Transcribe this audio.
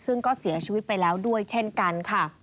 ซึ่งก็เสียชีวิตไปแล้วด้วยเช่นกันค่ะ